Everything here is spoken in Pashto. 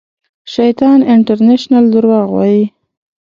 شیطان انټرنېشنل درواغ وایي